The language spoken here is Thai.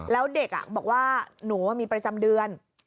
แล้วเด็กบอกว่าหนูมีประจำเดือน